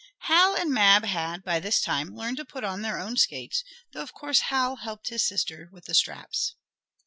Hal and Mab had, by this time, learned to put on their own skates, though of course Hal helped his sister with the straps.